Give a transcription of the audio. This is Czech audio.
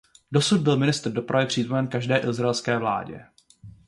Dosud byl ministr dopravy přítomen každé izraelské vládě.